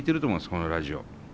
このラジオ。